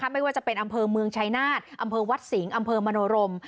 ไม่ว่าจะเป็นอำเภอเมืองชายนาฏอำเภอวัดสิงห์อำเภอมโนรม